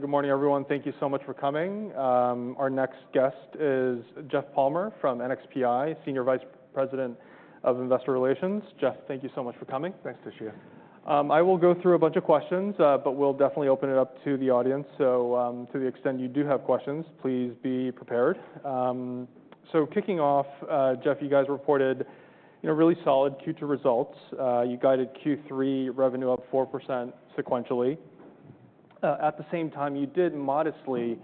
Good morning, everyone. Thank you so much for coming. Our next guest is Jeff Palmer from NXP, Senior Vice President of Investor Relations. Jeff, thank you so much for coming. Thanks, Toshiya. I will go through a bunch of questions, but we'll definitely open it up to the audience. So, to the extent you do have questions, please be prepared. So kicking off, Jeff, you guys reported, you know, really solid Q2 results. You guided Q3 revenue up 4% sequentially. At the same time, you did modestly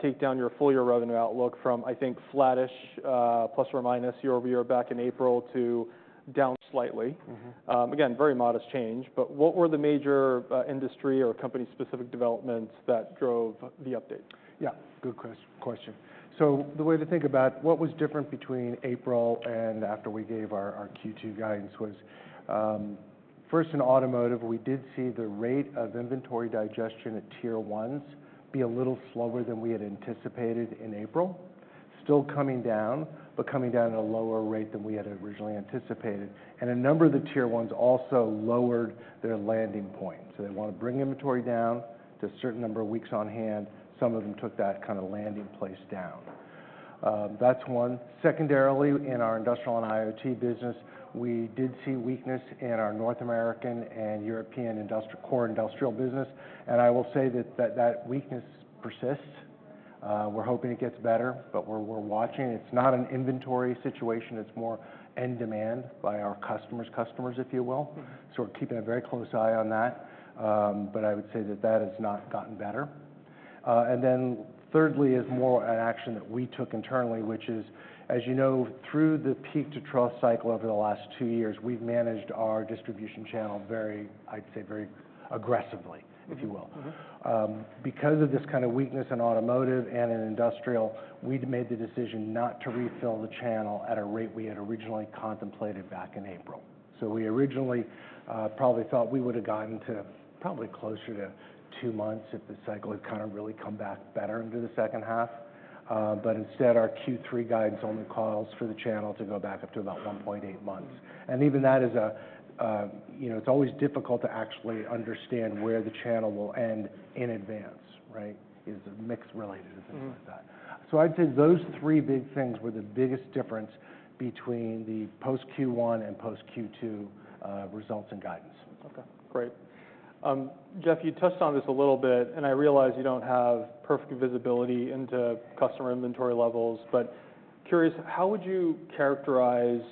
take down your full year revenue outlook from, I think, flattish, plus or minus year over year, back in April, to down slightly. Mm-hmm. Again, very modest change, but what were the major, industry or company-specific developments that drove the update? Yeah, good question. So the way to think about what was different between April and after we gave our Q2 guidance was, first in automotive, we did see the rate of inventory digestion at Tier ones be a little slower than we had anticipated in April. Still coming down, but coming down at a lower rate than we had originally anticipated. And a number of the Tier ones also lowered their landing point. So they wanna bring inventory down to a certain number of weeks on hand. Some of them took that kinda landing place down. That's one. Secondarily, in our industrial and IoT business, we did see weakness in our North American and European industrial core industrial business, and I will say that weakness persists. We're hoping it gets better, but we're watching. It's not an inventory situation, it's more end demand by our customers' customers, if you will. Mm-hmm. So we're keeping a very close eye on that, but I would say that that has not gotten better, and then thirdly is more an action that we took internally, which is, as you know, through the peak to trough cycle over the last two years, we've managed our distribution channel very, I'd say, very aggressively. Mm-hmm... if you will. Mm-hmm. Because of this kind of weakness in automotive and in industrial, we'd made the decision not to refill the channel at a rate we had originally contemplated back in April. So we originally probably thought we would've gotten to probably closer to two months if the cycle had kind of really come back better into the second half. But instead, our Q3 guidance only calls for the channel to go back up to about one point eight months. And even that is, you know, it's always difficult to actually understand where the channel will end in advance, right? It's mix related and things like that. Mm-hmm. So I'd say those three big things were the biggest difference between the post-Q1 and post-Q2 results and guidance. Okay, great. Jeff, you touched on this a little bit, and I realize you don't have perfect visibility into customer inventory levels, but curious, how would you characterize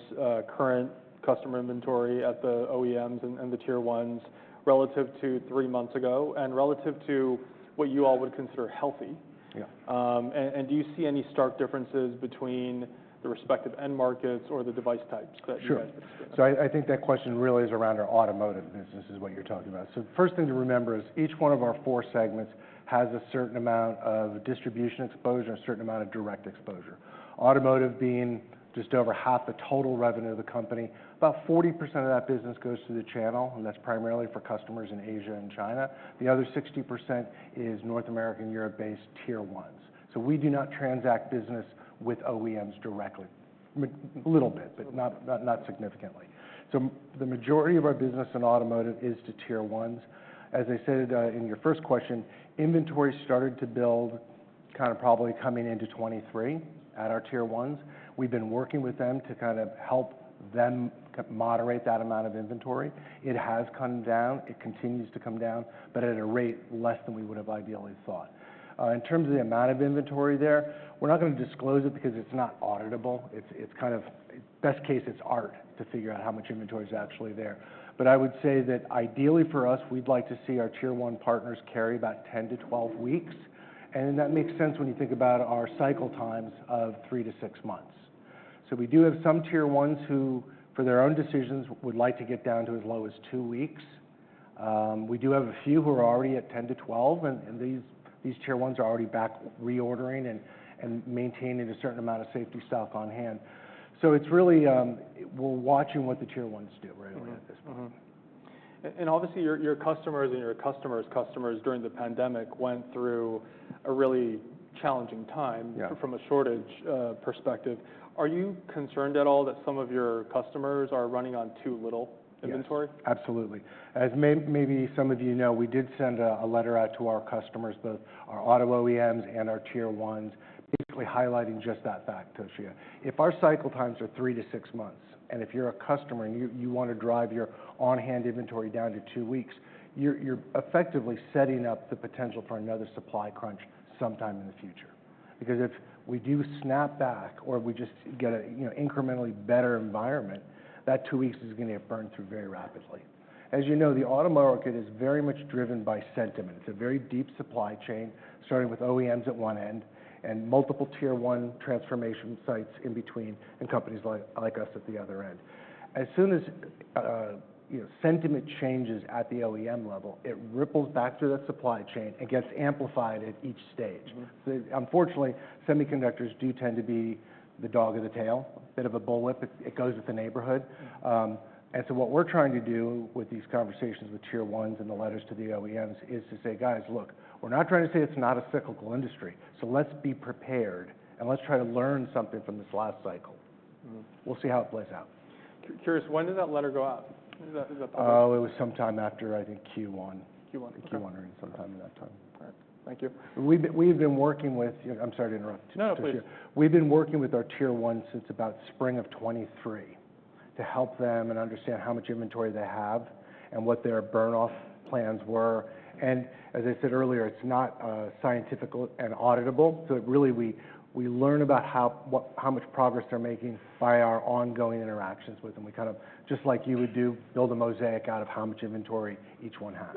current customer inventory at the OEMs and the Tier 1s relative to three months ago and relative to what you all would consider healthy? Yeah. Do you see any stark differences between the respective end markets or the device types that you guys? Sure. I think that question really is around our automotive business, is what you're talking about. The first thing to remember is each one of our four segments has a certain amount of distribution exposure and a certain amount of direct exposure. Automotive being just over half the total revenue of the company, about 40% of that business goes through the channel, and that's primarily for customers in Asia and China. The other 60% is North American, Europe-based Tier 1s. We do not transact business with OEMs directly. A little bit, but not significantly. The majority of our business in automotive is to Tier 1s. As I said in your first question, inventory started to build kind of probably coming into 2023 at our Tier 1s. We've been working with them to kind of help them moderate that amount of inventory. It has come down. It continues to come down, but at a rate less than we would have ideally thought. In terms of the amount of inventory there, we're not gonna disclose it because it's not auditable. It's, it's kind of... Best case, it's an art to figure out how much inventory is actually there. But I would say that ideally for us, we'd like to see our Tier 1 partners carry about 10-12 weeks, and that makes sense when you think about our cycle times of 3-6 months. So we do have some Tier 1s who, for their own decisions, would like to get down to as low as 2 weeks. We do have a few who are already at 10 to 12, and these Tier 1s are already back reordering and maintaining a certain amount of safety stock on hand. It's really, we're watching what the Tier 1s do right now at this point. Mm-hmm. And obviously, your customers and your customers' customers during the pandemic went through a really challenging time. Yeah... from a shortage perspective. Are you concerned at all that some of your customers are running on too little inventory? Yes, absolutely. As maybe some of you know, we did send a letter out to our customers, both our auto OEMs and our Tier ones, basically highlighting just that fact, Tosia. If our cycle times are three to six months, and if you're a customer and you want to drive your on-hand inventory down to two weeks, you're effectively setting up the potential for another supply crunch sometime in the future. Because if we do snap back or we just get a, you know, incrementally better environment, that two weeks is gonna get burned through very rapidly. As you know, the automotive market is very much driven by sentiment. It's a very deep supply chain, starting with OEMs at one end and multiple Tier one transformation sites in between, and companies like us at the other end. As soon as, you know, sentiment changes at the OEM level, it ripples back through that supply chain and gets amplified at each stage. Mm-hmm. So unfortunately, semiconductors do tend to be the tail of the dog, a bit of a bullwhip. It goes with the neighborhood, and so what we're trying to do with these conversations with Tier 1s and the letters to the OEMs is to say: "Guys, look, we're not trying to say it's not a cyclical industry, so let's be prepared and let's try to learn something from this last cycle. Mm-hmm. We'll see how it plays out.... Curious, when did that letter go out? Oh, it was sometime after, I think, Q1. Q1. Q1 or sometime in that time. All right. Thank you. We've been working with. I'm sorry to interrupt you. No, please. We've been working with our Tier 1 since about spring of 2023 to help them understand how much inventory they have and what their burn-off plans were. As I said earlier, it's not scientific and auditable, so really we learn about how much progress they're making by our ongoing interactions with them. We kind of, just like you would do, build a mosaic out of how much inventory each one has.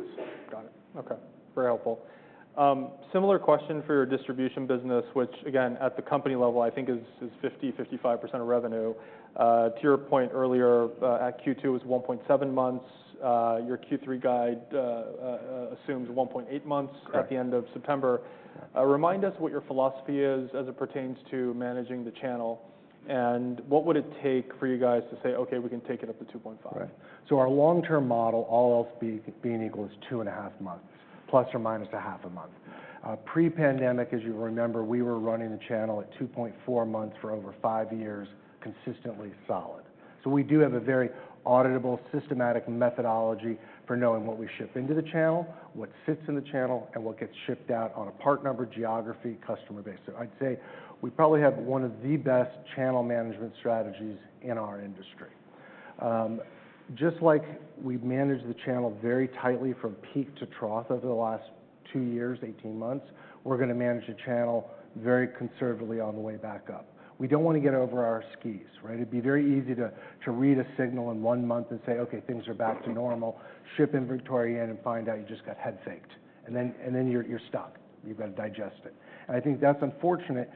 Got it. Okay, very helpful. Similar question for your distribution business, which again, at the company level, I think is 50%-55% of revenue. To your point earlier, at Q2 is 1.7 months. Your Q3 guide assumes 1.8 months- Correct... at the end of September. Remind us what your philosophy is as it pertains to managing the channel, and what would it take for you guys to say, "Okay, we can take it up to two point five? Right. So our long-term model, all else being equal, is two and a half months, plus or minus a half a month. Pre-pandemic, as you remember, we were running the channel at two point four months for over five years, consistently solid. So we do have a very auditable, systematic methodology for knowing what we ship into the channel, what sits in the channel, and what gets shipped out on a part number, geography, customer basis. So I'd say we probably have one of the best channel management strategies in our industry. Just like we've managed the channel very tightly from peak to trough over the last two years, 18 months, we're gonna manage the channel very conservatively on the way back up. We don't want to get over our skis, right? It'd be very easy to read a signal in one month and say, "Okay, things are back to normal," ship inventory in and find out you just got head-faked, and then you're stuck. You've got to digest it. And I think that's unfortunate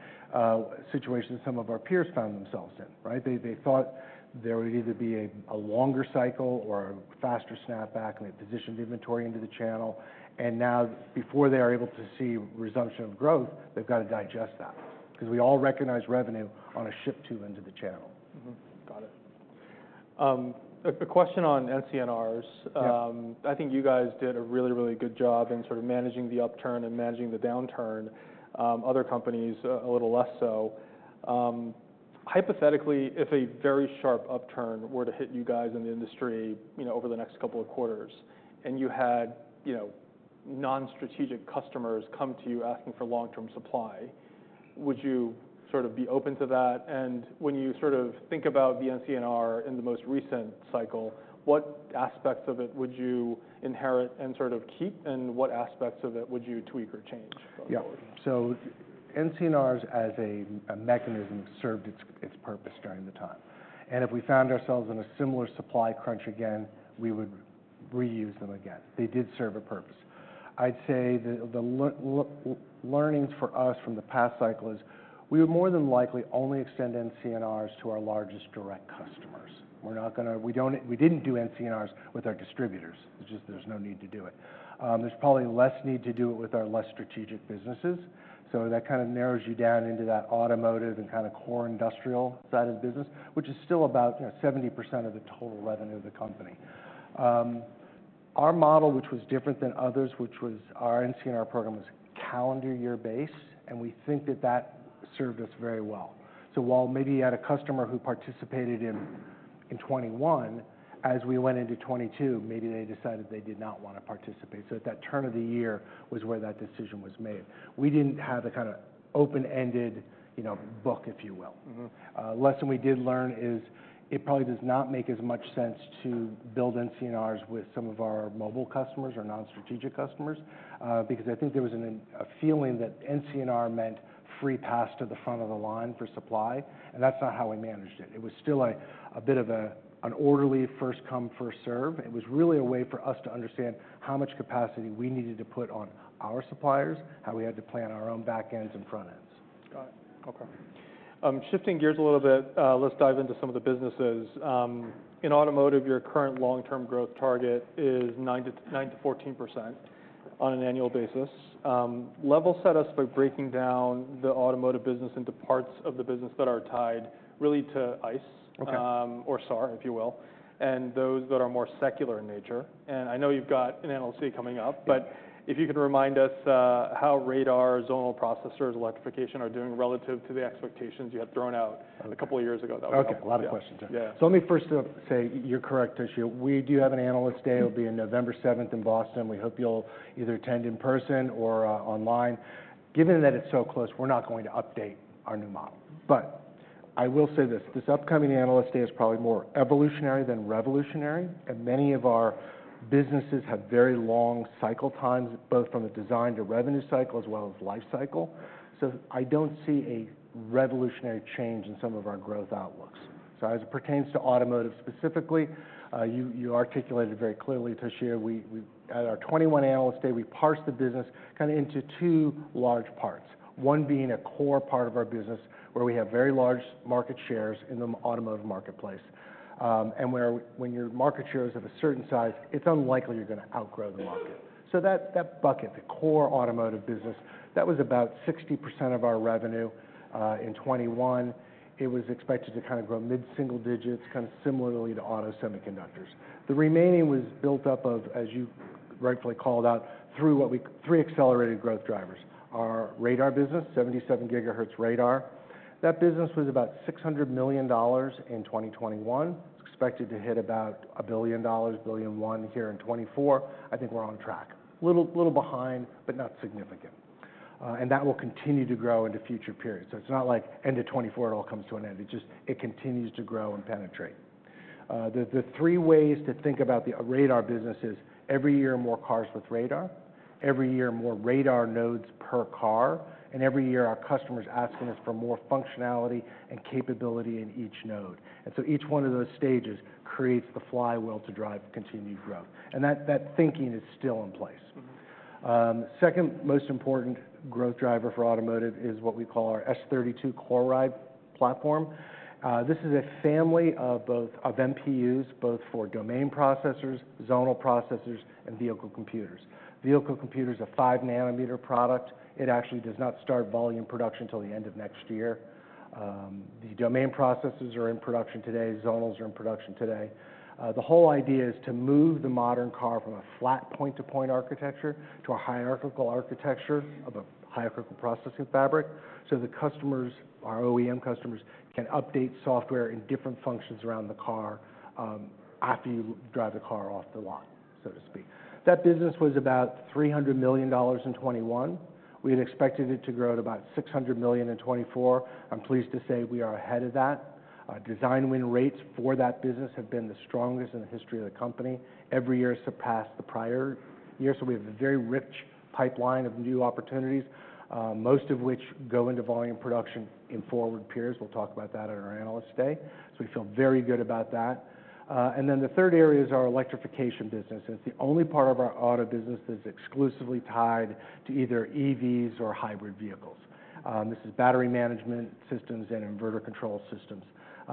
situation some of our peers found themselves in, right? They thought there would either be a longer cycle or a faster snapback, and they positioned inventory into the channel, and now before they are able to see resumption of growth, they've got to digest that, 'cause we all recognize revenue on a ship to into the channel. Mm-hmm. Got it. A question on NCNRs. Yeah. I think you guys did a really, really good job in sort of managing the upturn and managing the downturn. Other companies, a little less so. Hypothetically, if a very sharp upturn were to hit you guys in the industry, you know, over the next couple of quarters, and you had, you know, non-strategic customers come to you asking for long-term supply, would you sort of be open to that? And when you sort of think about the NCNR in the most recent cycle, what aspects of it would you inherit and sort of keep, and what aspects of it would you tweak or change going forward? Yeah. So NCNRs, as a mechanism, served its purpose during the time, and if we found ourselves in a similar supply crunch again, we would reuse them again. They did serve a purpose. I'd say the learnings for us from the past cycle is, we would more than likely only extend NCNRs to our largest direct customers. We're not gonna. We didn't do NCNRs with our distributors. It's just there's no need to do it. There's probably less need to do it with our less strategic businesses, so that kind of narrows you down into that automotive and kind of core industrial side of the business, which is still about, you know, 70% of the total revenue of the company. Our model, which was different than others, which was our NCNR program, was calendar year basis, and we think that that served us very well. So while maybe you had a customer who participated in 2021, as we went into 2022, maybe they decided they did not want to participate. So at that turn of the year was where that decision was made. We didn't have a kind of open-ended, you know, book, if you will. Mm-hmm. Lesson we did learn is, it probably does not make as much sense to build NCNRs with some of our mobile customers or non-strategic customers, because I think there was a feeling that NCNR meant free pass to the front of the line for supply, and that's not how we managed it. It was still a bit of an orderly first come, first serve. It was really a way for us to understand how much capacity we needed to put on our suppliers, how we had to plan our own back ends and front ends. Got it. Okay. Shifting gears a little bit, let's dive into some of the businesses. In automotive, your current long-term growth target is 9%-14% on an annual basis. Level set us by breaking down the automotive business into parts of the business that are tied, really to ICE- Okay... or SAR, if you will, and those that are more secular in nature. And I know you've got an analyst meeting coming up- Yeah... but if you could remind us how radar, Zonal Processors, electrification are doing relative to the expectations you had thrown out? Got it A couple of years ago. That would be helpful. Okay. A lot of questions there. Yeah. So let me first say you're correct, Toshiya. We do have an Analyst Day. It'll be in November seventh in Boston. We hope you'll either attend in person or online. Given that it's so close, we're not going to update our new model. But I will say this, this upcoming Analyst Day is probably more evolutionary than revolutionary, and many of our businesses have very long cycle times, both from a design to revenue cycle as well as life cycle. I don't see a revolutionary change in some of our growth outlooks. As it pertains to automotive specifically, you articulated very clearly, Toshiya, we at our 2021 Analyst Day, we parsed the business kind of into two large parts. One being a core part of our business, where we have very large market shares in the automotive marketplace, and where when your market share is of a certain size, it's unlikely you're gonna outgrow the market. So that, that bucket, the core automotive business, that was about 60% of our revenue in 2021. It was expected to kind of grow mid-single digits, kind of similarly to auto semiconductors. The remaining was built up of, as you rightfully called out, through what we three accelerated growth drivers: our radar business, 77GHz radar. That business was about $600 million in 2021, expected to hit about $1 billion, $1.1 billion here in 2024. I think we're on track. Little, little behind, but not significant. And that will continue to grow into future periods. It's not like end of 2024, it all comes to an end. It just continues to grow and penetrate. The three ways to think about the radar business is every year, more cars with radar, every year, more radar nodes per car, and every year, our customers are asking us for more functionality and capability in each node. Each one of those stages creates the flywheel to drive continued growth, and that thinking is still in place. Second most important growth driver for automotive is what we call our S32 CoreRide platform. This is a family of both of MPUs, both for domain processors, zonal processors, and vehicle computers. Vehicle computer is a 5-nanometer product. It actually does not start volume production till the end of next year. The domain processors are in production today. Zonal processors are in production today. The whole idea is to move the modern car from a flat point-to-point architecture to a hierarchical architecture of a hierarchical processing fabric, so the customers, our OEM customers, can update software in different functions around the car, after you drive the car off the lot, so to speak. That business was about $300 million in 2021. We had expected it to grow at about $600 million in 2024. I'm pleased to say we are ahead of that. Our design win rates for that business have been the strongest in the history of the company. Every year surpassed the prior year, so we have a very rich pipeline of new opportunities, most of which go into volume production in forward periods. We'll talk about that at our Analyst Day. So we feel very good about that, and then the third area is our electrification business. It's the only part of our auto business that's exclusively tied to either EVs or hybrid vehicles. This is battery management systems and inverter control systems.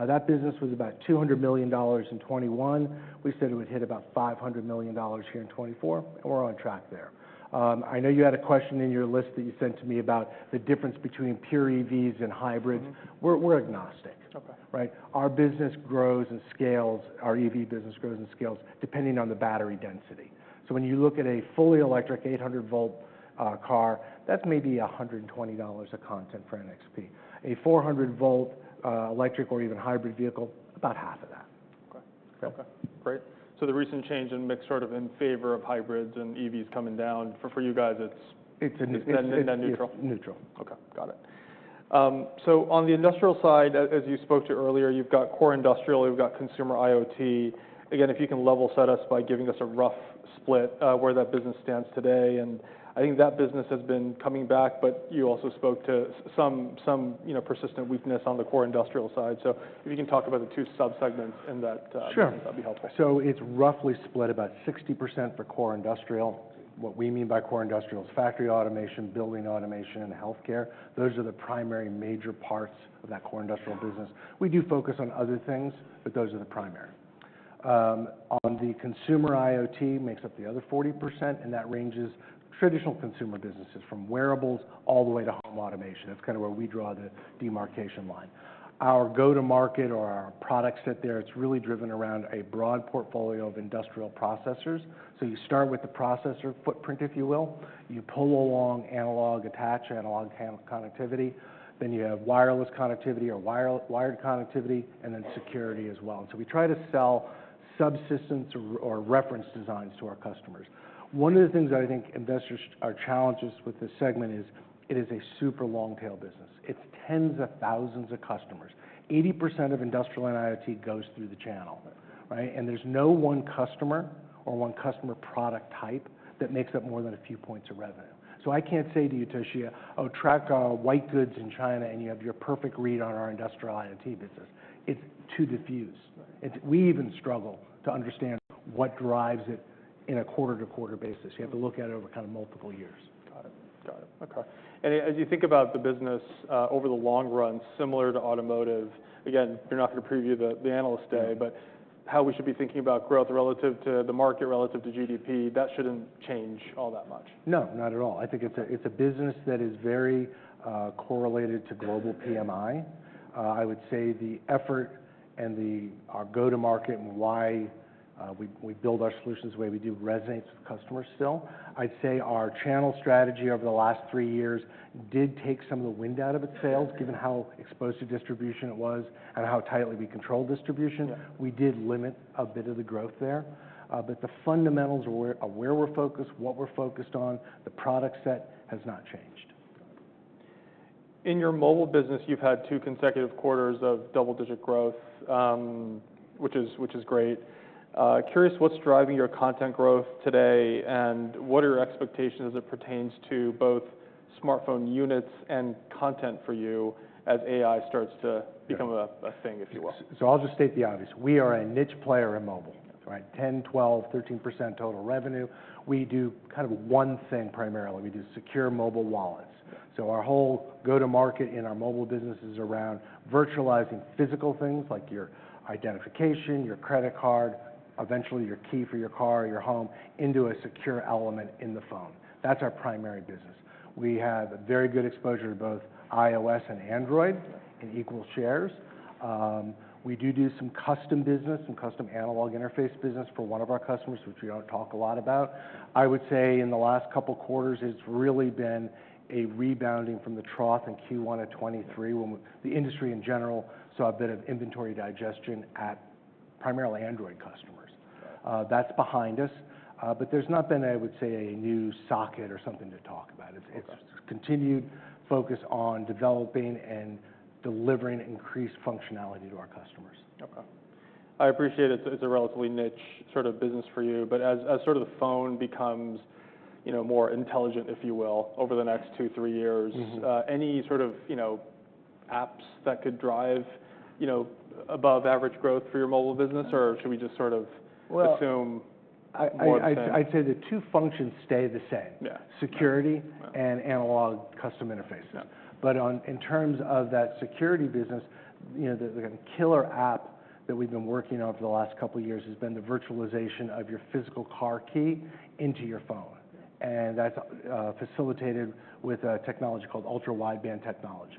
That business was about $200 million in 2021. We said it would hit about $500 million here in 2024, and we're on track there. I know you had a question in your list that you sent to me about the difference between pure EVs and hybrids. Mm-hmm. We're agnostic. Okay. Right? Our business grows and scales, our EV business grows and scales depending on the battery density. So when you look at a fully electric 800-volt car, that's maybe $120 of content for NXP. A 400-volt electric or even hybrid vehicle, about half of that. Okay. Okay? Okay. Great. So the recent change in mix, sort of, in favor of hybrids and EVs coming down, for you guys, it's- It's a ne-... net neutral? Neutral. Okay, got it. So on the industrial side, as you spoke to earlier, you've got core industrial, you've got consumer IoT. Again, if you can level set us by giving us a rough split, where that business stands today, and I think that business has been coming back, but you also spoke to some, you know, persistent weakness on the core industrial side. So if you can talk about the two subsegments in that. Sure... that'd be helpful. So it's roughly split about 60% for core industrial. What we mean by core industrial is factory automation, building automation, and healthcare. Those are the primary, major parts of that core industrial business. We do focus on other things, but those are the primary. On the consumer, IoT makes up the other 40%, and that ranges from traditional consumer businesses, from wearables all the way to home automation. That's kind of where we draw the demarcation line. Our go-to-market or our product set there, it's really driven around a broad portfolio of industrial processors. So you start with the processor footprint, if you will. You pull along analog, attach analog connectivity, then you have wireless connectivity or wired connectivity, and then security as well. So we try to sell subsystems or reference designs to our customers. One of the things I think investors are challenged with this segment is, it is a super long tail business. It's tens of thousands of customers. 80% of industrial and IoT goes through the channel, right? And there's no one customer or one customer product type that makes up more than a few points of revenue. So I can't say to you, Toshiya: "Oh, track, white goods in China, and you have your perfect read on our industrial IoT business." It's too diffuse. Right. We even struggle to understand what drives it in a quarter-to-quarter basis. You have to look at it over kind of multiple years. Got it. Got it. Okay, and as you think about the business, over the long run, similar to automotive, again, you're not going to preview the Analyst Day- Yeah... but how we should be thinking about growth relative to the market, relative to GDP, that shouldn't change all that much? No, not at all. I think it's a business that is very correlated to global PMI. I would say the effort and our go-to market and why we build our solutions the way we do resonates with customers still. I'd say our channel strategy over the last three years did take some of the wind out of its sails, given how exposed to distribution it was and how tightly we controlled distribution. Yeah. We did limit a bit of the growth there, but the fundamentals of where we're focused, what we're focused on, the product set has not changed. In your mobile business, you've had two consecutive quarters of double-digit growth, which is great. Curious, what's driving your content growth today, and what are your expectations as it pertains to both smartphone units and content for you as AI starts to- Yeah... become a thing, if you will? So I'll just state the obvious: We are a niche player in mobile. That's right. 10%, 12%, 13% total revenue. We do kind of one thing primarily, we do secure mobile wallets. So our whole go-to market in our mobile business is around virtualizing physical things like your identification, your credit card, eventually, your key for your car or your home, into a secure element in the phone. That's our primary business. We have a very good exposure to both iOS and Android in equal shares. We do some custom business, some custom analog interface business for one of our customers, which we don't talk a lot about. I would say in the last couple of quarters, it's really been a rebounding from the trough in Q1 of 2023, when the industry, in general, saw a bit of inventory digestion at primarily Android customers. That's behind us, but there's not been, I would say, a new socket or something to talk about. Okay. It's continued focus on developing and delivering increased functionality to our customers. Okay. I appreciate it's a relatively niche sort of business for you, but as sort of the phone becomes, you know, more intelligent, if you will, over the next two, three years- Mm-hmm... any sort of, you know, apps that could drive, you know, above average growth for your mobile business? Or should we just sort of- Well- Assume more the same? I'd say the two functions stay the same. Yeah. Security- Right... and analog custom interfaces. Yeah. But on, in terms of that security business, you know, the killer app that we've been working on for the last couple of years has been the virtualization of your physical car key into your phone, and that's facilitated with a technology called ultra-wideband technology.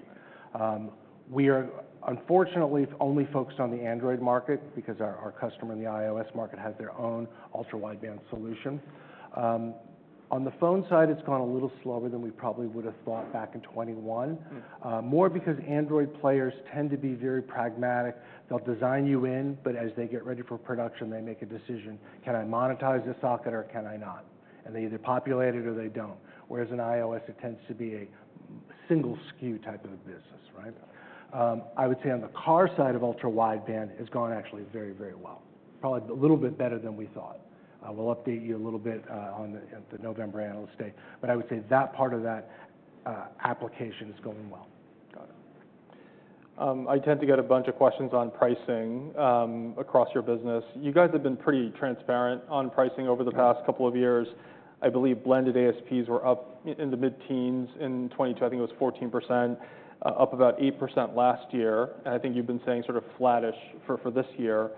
We are, unfortunately, only focused on the Android market because our customer in the iOS market has their own ultra-wideband solution. On the phone side, it's gone a little slower than we probably would have thought back in 2021. Mm. More because Android players tend to be very pragmatic. They'll design you in, but as they get ready for production, they make a decision, "Can I monetize this socket or can I not?" And they either populate it or they don't. Whereas in iOS, it tends to be a single SKU type of a business, right? I would say on the car side of ultra-wideband, it's gone actually very, very well, probably a little bit better than we thought. We'll update you a little bit, at the November Analyst Day, but I would say that part of that application is going well. Got it. I tend to get a bunch of questions on pricing across your business. You guys have been pretty transparent on pricing over the past- Yeah... couple of years. I believe blended ASPs were up in the mid-teens. In 2022, I think it was 14%, up about 8% last year, and I think you've been saying sort of flattish for this year.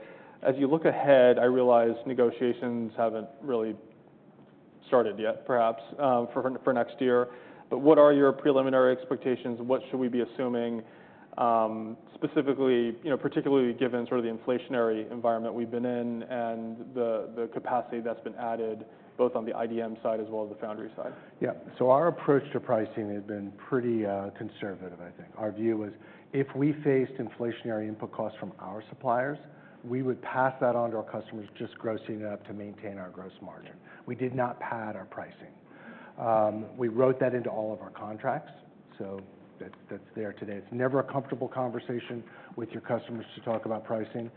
As you look ahead, I realize negotiations haven't really started yet, perhaps, for next year, but what are your preliminary expectations? What should we be assuming, specifically, you know, particularly given sort of the inflationary environment we've been in and the capacity that's been added, both on the IDM side as well as the foundry side? Yeah. So our approach to pricing has been pretty conservative, I think. Our view is, if we faced inflationary input costs from our suppliers, we would pass that on to our customers, just grossing it up to maintain our gross margin. We did not pad our pricing. We wrote that into all of our contracts, so that's there today. It's never a comfortable conversation with your customers to talk about pricing.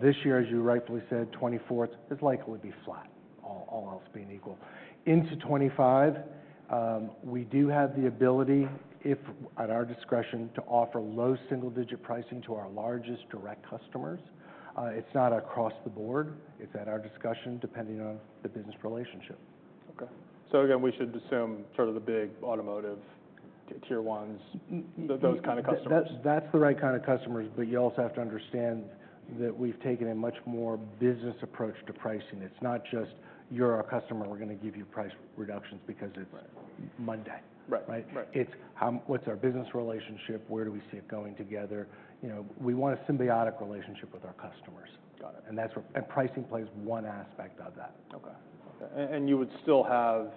This year, as you rightfully said, 2024, is likely to be flat, all else being equal. Into 2025, we do have the ability, if at our discretion, to offer low single-digit pricing to our largest direct customers. It's not across the board. It's at our discussion, depending on the business relationship. Okay. So again, we should assume sort of the big automotive tier ones- Mm, mm those kind of customers. That's, that's the right kind of customers, but you also have to understand that we've taken a much more business approach to pricing. It's not just, "You're our customer, we're gonna give you price reductions because it's- Right - Monday. Right. Right? Right. It's, what's our business relationship? Where do we see it going together? You know, we want a symbiotic relationship with our customers. Got it. Pricing plays one aspect of that. Okay, and you would still have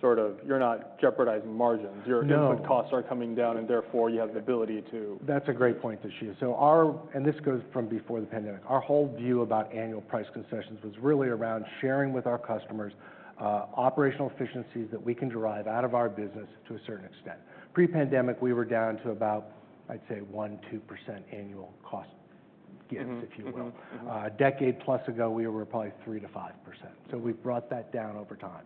sort of... You're not jeopardizing margins. No. Your input costs are coming down, and therefore, you have the ability to- That's a great point to share. So our and this goes from before the pandemic, our whole view about annual price concessions was really around sharing with our customers, operational efficiencies that we can derive out of our business to a certain extent. Pre-pandemic, we were down to about, I'd say, 1-2% annual cost- Mm-hmm... gives, if you will. Mm-hmm. Mm-hmm. A decade plus ago, we were probably 3%-5%, so we've brought that down over time.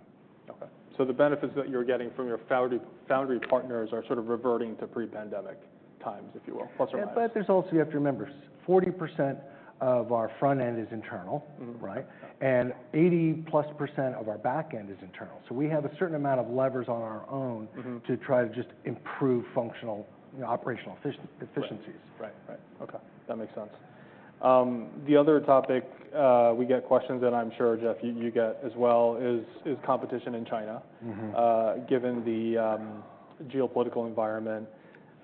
Okay. So the benefits that you're getting from your foundry partners are sort of reverting to pre-pandemic times, if you will, plus or minus. But, there's also, you have to remember, 40% of our front end is internal. Mm-hmm. Right? And 80+% of our back end is internal. So we have a certain amount of levers on our own- Mm-hmm... to try to just improve functional, operational efficiencies. Right. Right. Okay, that makes sense. The other topic we get questions, and I'm sure, Jeff, you get as well, is competition in China. Mm-hmm. Given the geopolitical environment,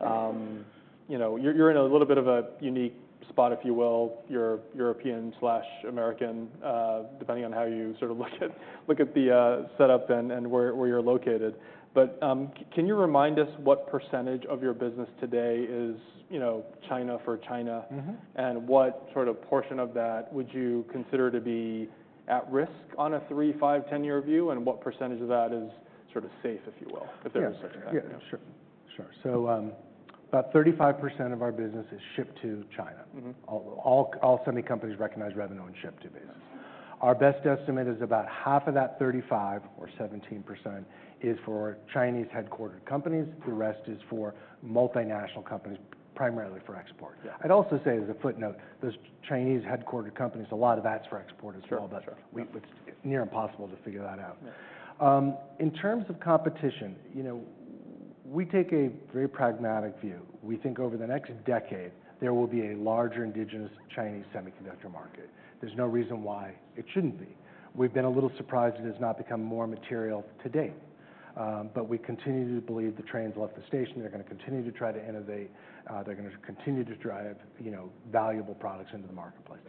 you know, you're in a little bit of a unique spot, if you will, you're European/American, depending on how you sort of look at the setup and where you're located. But, can you remind us what percentage of your business today is, you know, China for China? Mm-hmm. And what sort of portion of that would you consider to be at risk on a three, five, 10-year view? And what percentage of that is sort of safe, if you will? Yeah... if there is such a thing? Yeah. Sure, sure. So, about 35% of our business is shipped to China. Mm-hmm. All semi companies recognize revenue and ship to business. Yeah. Our best estimate is about half of that 35, or 17%, is for Chinese headquartered companies. Mm-hmm. The rest is for multinational companies, primarily for export. Yeah. I'd also say, as a footnote, those Chinese headquartered companies, a lot of that's for export as well. Sure. Sure. But it's near impossible to figure that out. Yeah. In terms of competition, you know, we take a very pragmatic view. We think over the next decade, there will be a larger indigenous Chinese semiconductor market. There's no reason why it shouldn't be. We've been a little surprised it has not become more material to date, but we continue to believe the train's left the station. They're gonna continue to try to innovate, they're gonna continue to drive, you know, valuable products into the marketplace.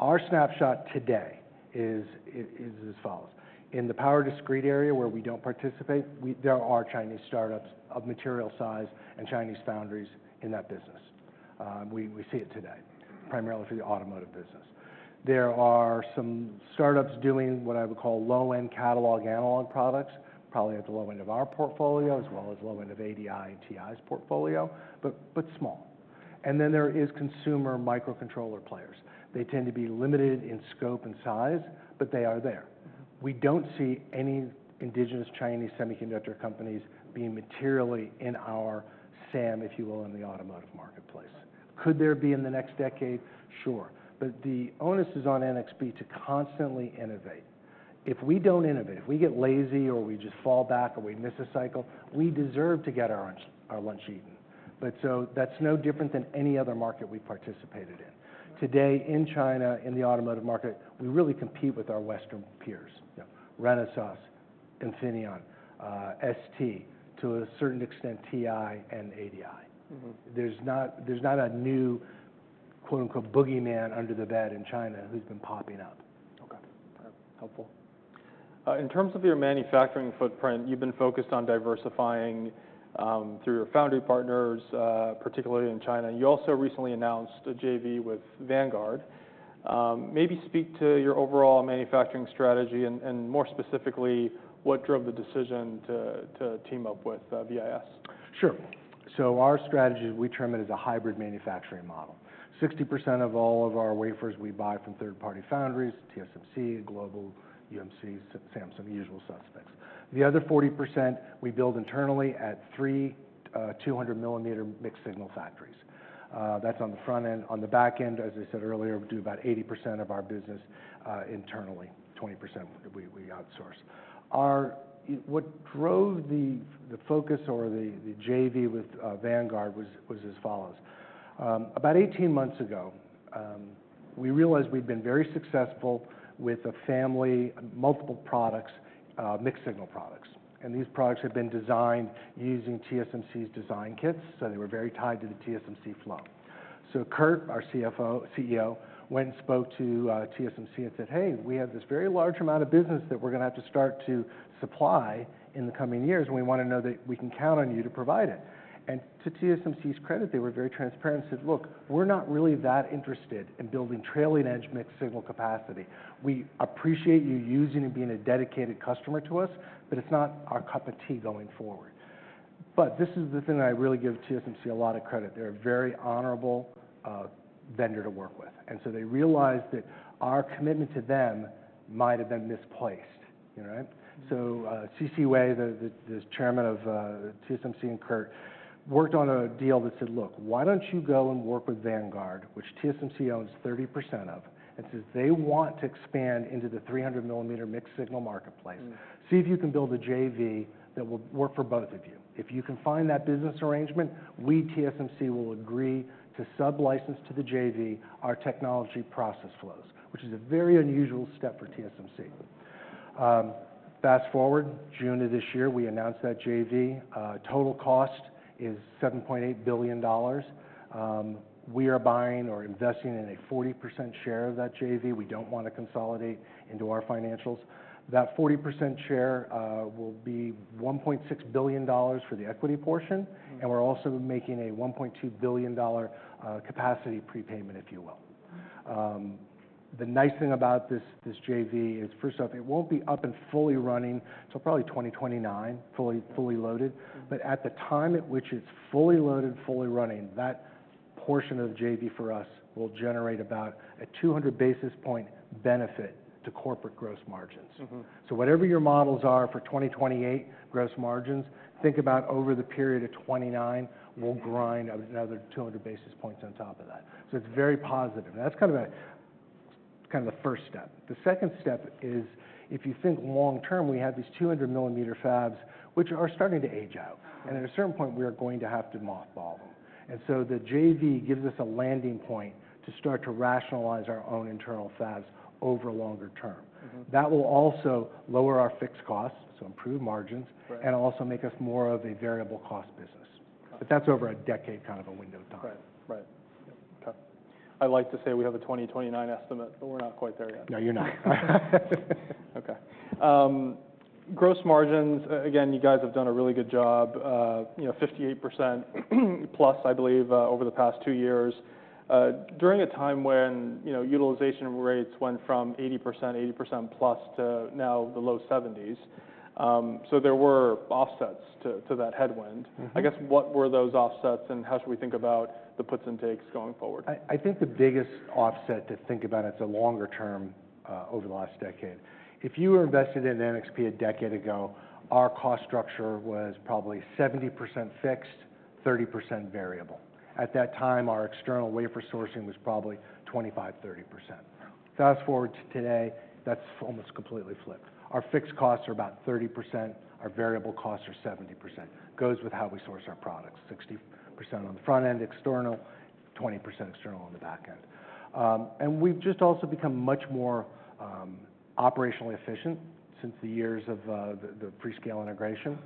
Our snapshot today is as follows: in the power discrete area, where we don't participate, there are Chinese startups of material size and Chinese foundries in that business. We see it today, primarily through the automotive business. There are some startups doing what I would call low-end catalog analog products, probably at the low end of our portfolio, as well as low end of ADI and TI's portfolio, but small. And then there is consumer microcontroller players. They tend to be limited in scope and size, but they are there. We don't see any indigenous Chinese semiconductor companies being materially in our SAM, if you will, in the automotive marketplace. Could there be in the next decade? Sure. But the onus is on NXP to constantly innovate. If we don't innovate, if we get lazy or we just fall back, or we miss a cycle, we deserve to get our lunch eaten. But so that's no different than any other market we've participated in. Today, in China, in the automotive market, we really compete with our Western peers: Renesas, Infineon, ST, to a certain extent, TI and ADI. Mm-hmm. There's not a new, quote, unquote, "boogeyman" under the bed in China who's been popping up. Okay. Helpful. In terms of your manufacturing footprint, you've been focused on diversifying through your foundry partners, particularly in China. You also recently announced a JV with Vanguard. Maybe speak to your overall manufacturing strategy and, more specifically, what drove the decision to team up with VIS? Sure. So our strategy, we term it as a hybrid manufacturing model. 60% of all of our wafers we buy from third-party foundries, TSMC, Global, UMC, Samsung, the usual suspects. The other 40% we build internally at three 200 millimeter mixed signal factories. That's on the front end. On the back end, as I said earlier, we do about 80% of our business internally, 20% we outsource. Our. What drove the focus or the JV with Vanguard was as follows: about 18 months ago, we realized we'd been very successful with a family multiple products, mixed signal products, and these products had been designed using TSMC's design kits, so they were very tied to the TSMC flow. Kurt, our CFO, CEO, went and spoke to TSMC and said, "Hey, we have this very large amount of business that we're gonna have to start to supply in the coming years, and we wanna know that we can count on you to provide it." And to TSMC's credit, they were very transparent and said: "Look, we're not really that interested in building trailing edge mixed signal capacity. We appreciate you using it and being a dedicated customer to us, but it's not our cup of tea going forward." But this is the thing that I really give TSMC a lot of credit. They're a very honorable vendor to work with, and so they realized that our commitment to them might have been misplaced. You know right? So, C.C. Wei, the chairman of TSMC, and Kurt, worked on a deal that said, "Look, why don't you go and work with Vanguard, which TSMC owns 30% of," and said, "They want to expand into the 300-millimeter mixed signal marketplace. Mm. See if you can build a JV that will work for both of you. If you can find that business arrangement, we, TSMC, will agree to sublicense to the JV our technology process flows," which is a very unusual step for TSMC. Fast-forward, June of this year, we announced that JV, total cost is $7.8 billion. We are buying or investing in a 40% share of that JV. We don't want to consolidate into our financials. That 40% share will be $1.6 billion for the equity portion, and we're also making a $1.2 billion capacity prepayment, if you will. The nice thing about this, this JV is, first off, it won't be up and fully running till probably 2029, fully, fully loaded. Mm. But at the time at which it's fully loaded, fully running, that portion of the JV for us will generate about a 200 basis points benefit to corporate gross margins. Mm-hmm. So whatever your models are for 2028 gross margins, think about over the period of 2029. We'll grind out another 200 basis points on top of that. So it's very positive, and that's kind of the first step. The second step is, if you think long term, we have these 200 millimeter fabs, which are starting to age out, and at a certain point, we are going to have to mothball them. And so the JV gives us a landing point to start to rationalize our own internal fabs over longer term. Mm-hmm. That will also lower our fixed costs, so improve margins- Right... and also make us more of a variable cost business. Got it. But that's over a decade, kind of a window of time. Right. Right. Okay. I'd like to say we have a 2029 estimate, but we're not quite there yet. No, you're not. Okay. Gross margins, again, you guys have done a really good job, you know, 58%, plus, I believe, over the past two years, during a time when, you know, utilization rates went from 80%, 80% plus, to now the low seventies. So there were offsets to that headwind. Mm-hmm. I guess, what were those offsets, and how should we think about the puts and takes going forward? I think the biggest offset to think about, it's a longer term over the last decade. If you were invested in NXP a decade ago, our cost structure was probably 70% fixed, 30% variable. At that time, our external wafer sourcing was probably 25-30%. Fast-forward to today, that's almost completely flipped. Our fixed costs are about 30%, our variable costs are 70%. Goes with how we source our products, 60% on the front end external, and 20% external on the back end. And we've just also become much more operationally efficient since the years of the pre-Freescale integration.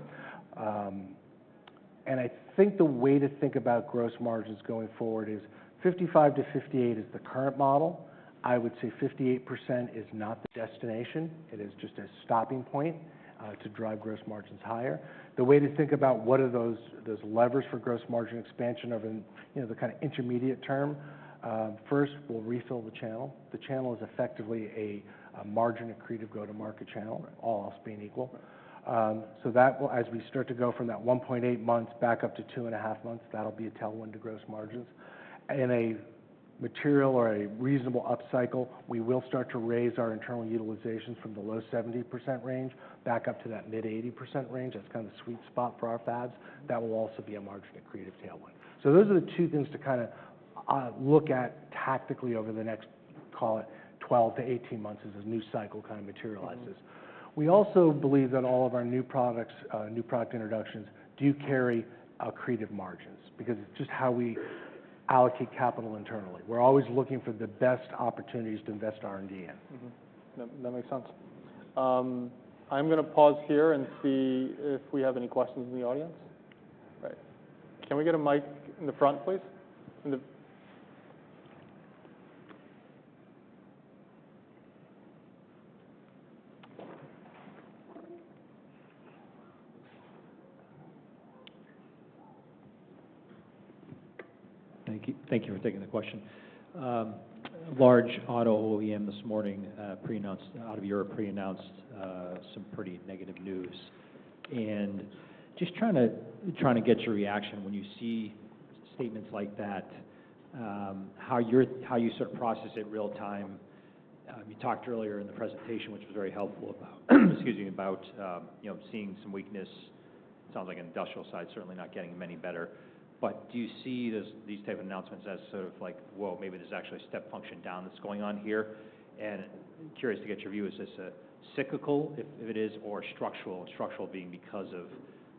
And I think the way to think about gross margins going forward is 55-58% is the current model. I would say 58% is not the destination, it is just a stopping point to drive gross margins higher. The way to think about what are those levers for gross margin expansion over, you know, the kind of intermediate term, first, we'll refill the channel. The channel is effectively a margin-accretive go-to-market channel, all else being equal. So that will, as we start to go from that 1.8 months back up to 2.5 months, that'll be a tailwind to gross margins. In a material or a reasonable upcycle, we will start to raise our internal utilization from the low 70% range back up to that mid-80% range. That's kind of the sweet spot for our fabs. That will also be a margin-accretive tailwind. So those are the two things to kinda look at tactically over the next, call it, 12 to 18 months as the new cycle kind of materializes. We also believe that all of our new products, new product introductions, do carry accretive margins, because it's just how we allocate capital internally. We're always looking for the best opportunities to invest R&D in. Mm-hmm. That makes sense. I'm gonna pause here and see if we have any questions in the audience. Right. Can we get a mic in the front, please? In the- Thank you. Thank you for taking the question. Large auto OEM this morning pre-announced, out of Europe, pre-announced some pretty negative news. And just trying to, trying to get your reaction when you see statements like that, how you're-- how you sort of process it real time. You talked earlier in the presentation, which was very helpful, about, excuse me, about you know, seeing some weakness. Sounds like industrial side, certainly not getting many better. But do you see these, these type of announcements as sort of like, well, maybe there's actually a step function down that's going on here? And curious to get your view, is this a cyclical, if, if it is, or structural, structural being because of,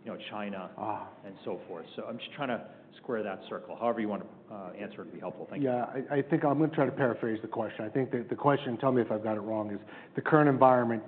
you know, China- Ah... and so forth? So I'm just trying to square that circle. However you want to answer it would be helpful. Thank you. Yeah. I think I'm gonna try to paraphrase the question. I think the question, tell me if I've got it wrong, is: the current environment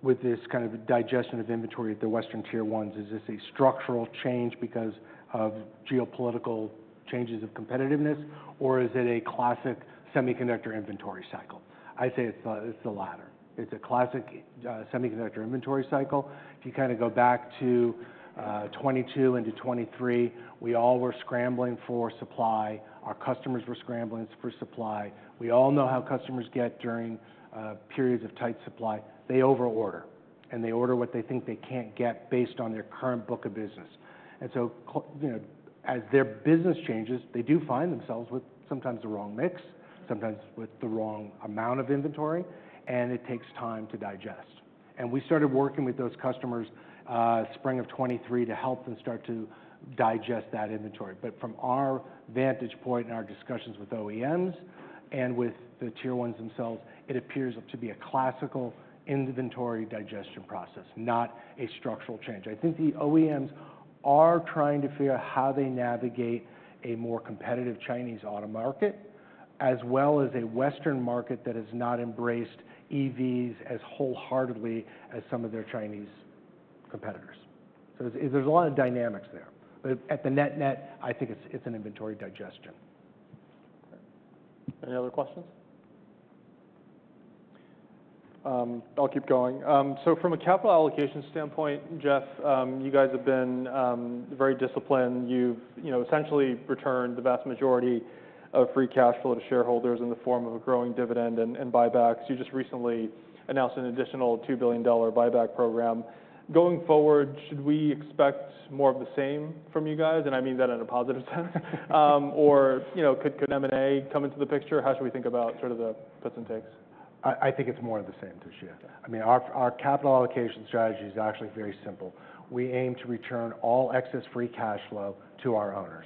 with this kind of digestion of inventory at the Western Tier 1s, is this a structural change because of geopolitical changes of competitiveness, or is it a classic semiconductor inventory cycle? I'd say it's the latter. It's a classic semiconductor inventory cycle. If you kind of go back to 2022 into 2023, we all were scrambling for supply. Our customers were scrambling for supply. We all know how customers get during periods of tight supply. They overorder, and they order what they think they can't get based on their current book of business. And so you know, as their business changes, they do find themselves with sometimes the wrong mix, sometimes with the wrong amount of inventory, and it takes time to digest. We started working with those customers spring of 2023 to help them start to digest that inventory. But from our vantage point and our discussions with OEMs and with the Tier 1s themselves, it appears to be a classical inventory digestion process, not a structural change. I think the OEMs are trying to figure out how they navigate a more competitive Chinese auto market, as well as a Western market that has not embraced EVs as wholeheartedly as some of their Chinese competitors. So there's a lot of dynamics there. But at the net-net, I think it's an inventory digestion. Any other questions? I'll keep going. So from a capital allocation standpoint, Jeff, you guys have been very disciplined. You've, you know, essentially returned the vast majority of free cash flow to shareholders in the form of a growing dividend and buybacks. You just recently announced an additional $2 billion buyback program. Going forward, should we expect more of the same from you guys? And I mean that in a positive sense. Or, you know, could M&A come into the picture? How should we think about sort of the puts and takes? I think it's more of the same, Toshiya. I mean, our capital allocation strategy is actually very simple. We aim to return all excess free cash flow to our owners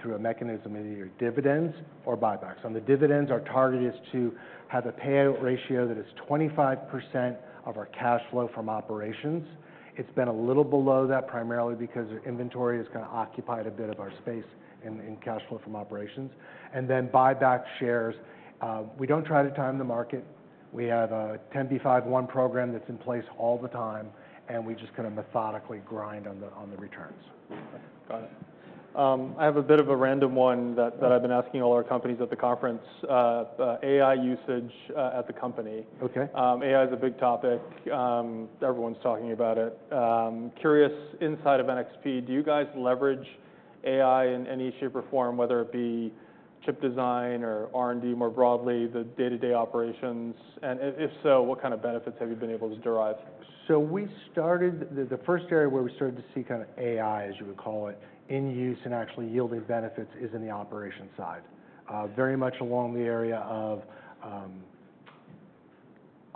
through a mechanism of either dividends or buybacks. On the dividends, our target is to have a payout ratio that is 25% of our cash flow from operations. It's been a little below that, primarily because our inventory has kind of occupied a bit of our space in cash flow from operations. And then buy back shares. We don't try to time the market. We have a 10b5-1 program that's in place all the time, and we just kind of methodically grind on the returns. Got it. I have a bit of a random one that- Okay... that I've been asking all our companies at the conference. AI usage at the company. Okay. AI is a big topic. Everyone's talking about it. Curious, inside of NXP, do you guys leverage AI in any shape or form, whether it be chip design or R&D more broadly, the day-to-day operations, and if so, what kind of benefits have you been able to derive? So we started the first area where we started to see kind of AI, as you would call it, in use and actually yielding benefits, is in the operation side. Very much along the area of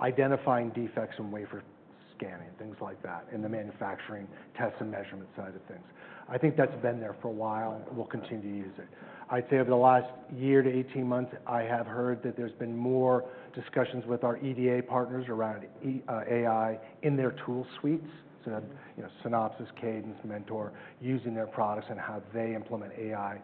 identifying defects in wafer scanning, things like that, in the manufacturing test and measurement side of things. I think that's been there for a while, and we'll continue to use it. I'd say over the last year to 18 months, I have heard that there's been more discussions with our EDA partners around AI in their tool suites. So, you know, Synopsys, Cadence, Mentor, using their products and how they implement AI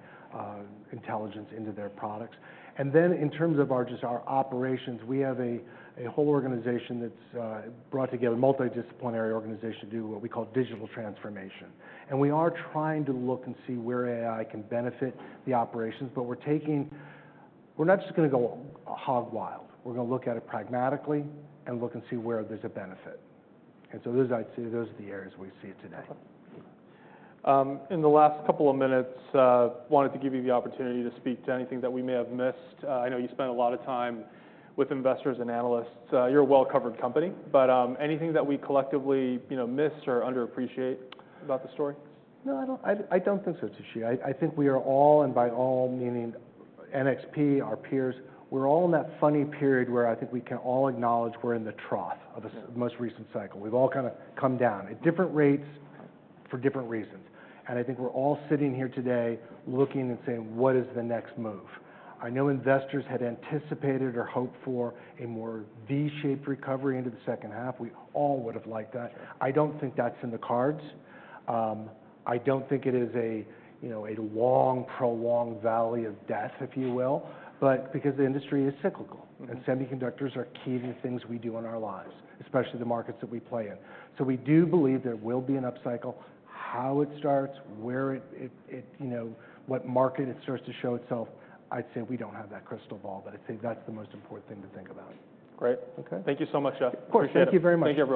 intelligence into their products. And then, in terms of our, just our operations, we have a whole organization that's brought together, a multidisciplinary organization, to do what we call digital transformation. We are trying to look and see where AI can benefit the operations, but we're taking... We're not just gonna go hog wild. We're gonna look at it pragmatically and look and see where there's a benefit. Those, I'd say, those are the areas we see it today. Okay. In the last couple of minutes, wanted to give you the opportunity to speak to anything that we may have missed. I know you spent a lot of time with investors and analysts. You're a well-covered company, but, anything that we collectively, you know, miss or underappreciate about the story? No, I don't think so, Toshiya. I think we are all, and by all meaning NXP, our peers, we're all in that funny period where I think we can all acknowledge we're in the trough of this- Yeah... most recent cycle. We've all kinda come down, at different rates, for different reasons. And I think we're all sitting here today looking and saying: What is the next move? I know investors had anticipated or hoped for a more V-shaped recovery into the second half. We all would have liked that. I don't think that's in the cards. I don't think it is a, you know, a long, prolonged valley of death, if you will, but because the industry is cyclical- Mm-hmm. And semiconductors are key to the things we do in our lives, especially the markets that we play in. So we do believe there will be an upcycle. How it starts, where it, you know, what market it starts to show itself, I'd say we don't have that crystal ball, but I'd say that's the most important thing to think about. Great. Okay. Thank you so much, Jeff. Of course. Appreciate it. Thank you very much. Take care.